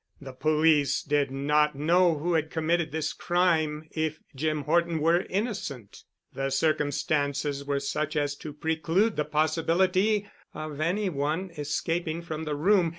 The police did not know who had committed this crime if Jim Horton were innocent. The circumstances were such as to preclude the possibility of any one escaping from the room.